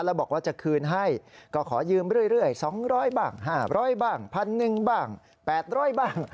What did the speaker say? แล้วบอกว่าจะคืนให้ก็ขอยืมเรื่อย๒๐๐บ้าง๕๐๐บ้าง๑๑๐๐บ้าง๘๐๐บ้าง